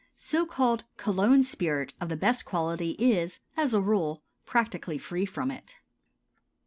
So called "Cologne Spirit" of the best quality is, as a rule, practically free from it.